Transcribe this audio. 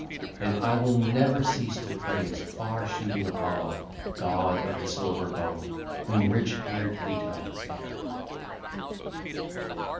And I will never cease to praise far shooting Apollo, god of the silver bow, whom rich haired Leto bare.